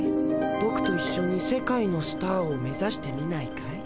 ボクといっしょに世界のスターを目ざしてみないかい？